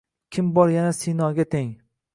Kim bor yana Sinoga teng?